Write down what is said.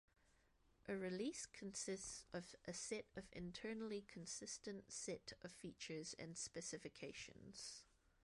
A release consists of a set of internally consistent set of features and specifications.